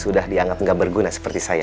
sudah dianggap tidak berguna seperti saya